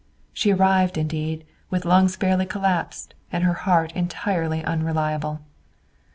She arrived, indeed, with lungs fairly collapsed and her heart entirely unreliable.